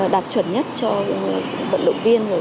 đạt chuẩn nhất cho vận động viên